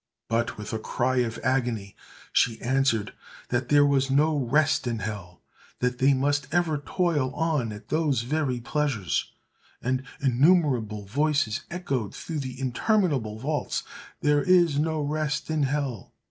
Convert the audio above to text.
But, with a cry of agony, she answered that there was no rest in hell; that they must ever toil on at those very pleasures: and innumerable voices echoed through the interminable vaults, "There is no rest in hell!"